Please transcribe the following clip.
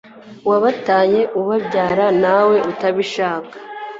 wabateye ubabyara nawe utabishaka